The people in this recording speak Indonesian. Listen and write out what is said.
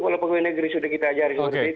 kalau pegawai negeri sudah kita ajarin